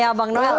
ya bang noel